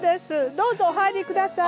どうぞお入りください。